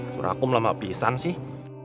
surah aku melambak pisang sih